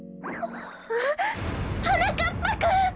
あっはなかっぱくん！